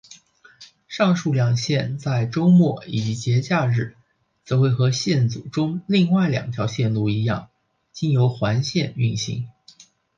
上述两线在周末以及节假日则会和线组中另外两条线路一样经由环线运行。